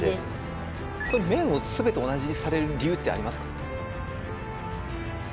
麺を全て同じにされる理由ってありますか？